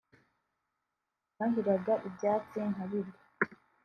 nahiraga ibyatsi nkabirya